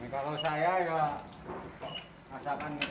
kalau saya ya masakan